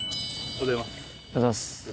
おはようございます。